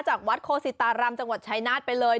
จากวัดโคสิตารามจังหวัดชายนาฏไปเลย